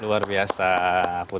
luar biasa putri